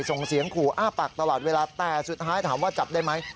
ส่งเสียงขู่อ้าปากตลอดเวลาแต่สุดท้ายถามว่าจับได้ไหม